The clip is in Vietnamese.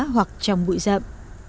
hoặc trong bụi rậm